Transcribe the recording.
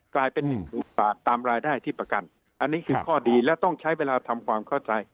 กลายเป็นหนึ่งหมื่นบาทตามรายได้ที่ประกันอันนี้คือข้อดีและต้องใช้เวลาทำความเข้าใจ